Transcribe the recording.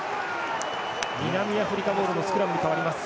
南アフリカボールのスクラムに変わります。